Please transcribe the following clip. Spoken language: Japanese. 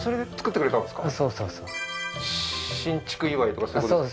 うん新築祝いとかそういうことで？